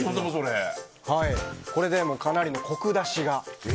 これでかなりのコク出しが。